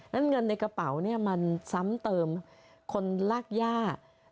เงินในกระเป๋าเนี่ยมันซ้ำเติมคนลากย่า